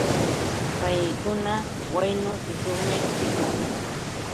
Paykuna waynu tushuqmi ripaakun.